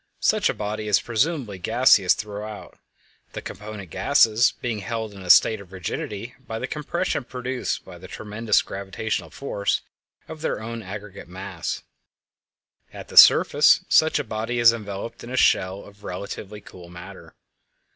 Such a body is presumably gaseous throughout, the component gases being held in a state of rigidity by the compression produced by the tremendous gravitational force of their own aggregate mass. At the surface such a body is enveloped in a shell of relatively cool matter.